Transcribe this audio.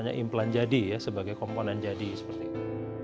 hanya implan jadi ya sebagai komponen jadi seperti itu